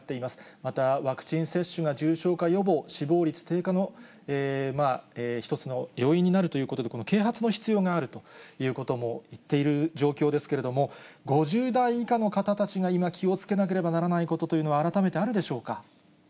またワクチン接種が重症化予防、死亡率低下の一つの要因になるということで、この啓発の必要があるということもいっている状況ですけれども、５０代以下の方たちが今、気をつけなければならないことというのは、改めてあるでしょうか。